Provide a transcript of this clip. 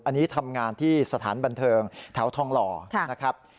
อันนี้ทำงานที่สถานบันเทิงแถวทองหล่อนะครับ